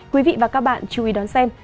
quý vị và các bạn chú ý đón xem